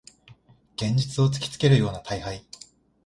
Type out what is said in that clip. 現実を突きつけるような大敗